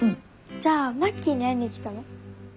じゃあマッキーに会いに来たの？